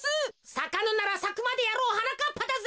さかぬならさくまでやろうはなかっぱだぜ。